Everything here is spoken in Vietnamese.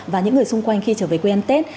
và những người xung quanh khi trở về quê ăn tết